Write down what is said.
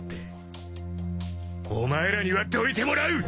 お前らにはどいてもらう！